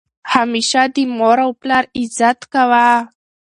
همیشه د مور او پلار عزت کوه!